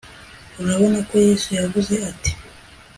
urabona ko yesu yavuze ati